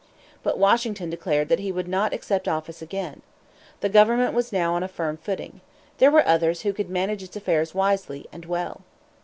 But Washington declared that he would not accept office again. The government was now on a firm footing. There were others who could manage its affairs wisely and well.